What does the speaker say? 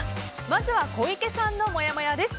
まずは小池さんのもやもやです。